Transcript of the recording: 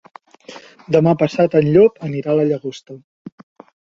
Demà passat en Llop anirà a la Llagosta.